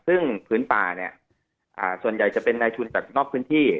ซึ่งผืนป่าเนี่ยส่วนใหญ่จะเป็นในชุดแบบนอกพื้นที่